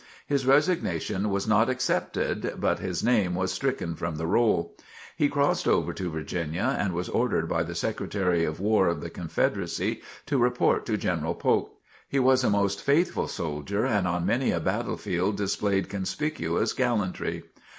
His resignation was not accepted, but his name was stricken from the roll. He crossed over to Virginia and was ordered by the Secretary of War of the Confederacy, to report to General Polk. He was a most faithful soldier and on many a battlefield displayed conspicuous gallantry.